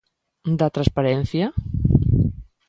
Da transparencia?